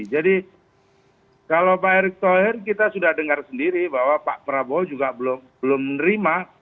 jadi kalau pak erek tohir kita sudah dengar sendiri bahwa pak prabowo juga belum menerima